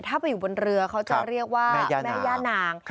ถ้าไปอยู่บนเรือเขาจะเรียกว่าแม่ย่านาง